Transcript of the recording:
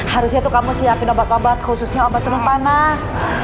harusnya tuh kamu siapin obat obat khususnya obat turun panas